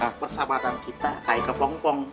hah persahabatan kita kayak kepong pong